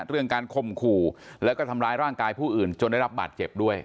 เรื่องการคมขู่แล้วก็ทำร้ายร่างกายผู้อื่นจนได้รับบาดเจ็บด้วย